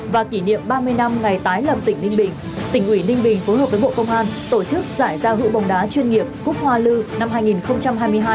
và kỷ niệm ba mươi năm ngày tái lập tỉnh ninh bình tỉnh ủy ninh bình phối hợp với bộ công an tổ chức giải giao hữu bóng đá chuyên nghiệp cúc hoa lư năm hai nghìn hai mươi hai